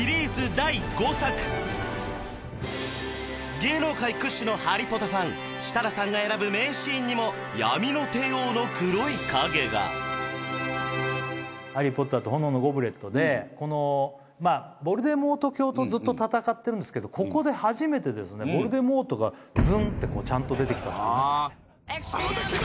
第５作芸能界屈指のハリポタファン設楽さんが選ぶ名シーンにも闇の帝王の黒い影が「ハリー・ポッターと炎のゴブレット」でこのまあヴォルデモート卿とずっと戦ってるんですけどここで初めてですねヴォルデモートがズンってこうちゃんと出てきたっていうね